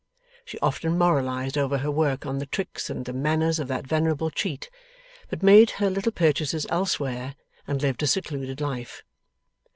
She often moralized over her work on the tricks and the manners of that venerable cheat, but made her little purchases elsewhere, and lived a secluded life.